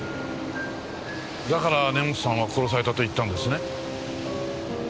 だから根本さんは殺されたと言ったんですね。